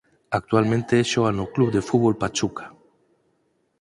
Actualmente xoga no Club de Fútbol Pachuca.